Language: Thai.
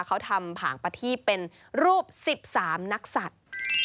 เขาทำผางประทีปเป็นรูป๑๓นักสัตว์